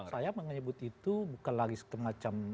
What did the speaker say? saya menyebut itu bukan lagi seke macam